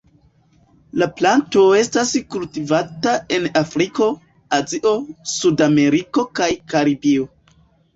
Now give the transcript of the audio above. La planto estas kultivata en Afriko, Azio, Sudameriko kaj Karibio.